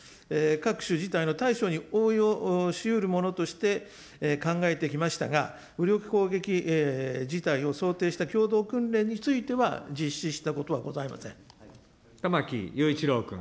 各種事態の対処に応用しうるものとして、考えてきましたが、武力攻撃事態を想定した共同訓練については、実施したことはござ玉木雄一郎君。